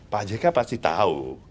pak jk pasti tahu